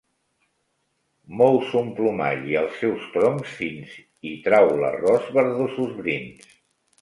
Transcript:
Mou son plomall i els seus troncs fins, i trau l'arròs verdosos brins.